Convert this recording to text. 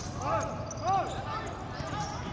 สวัสดีครับทุกคน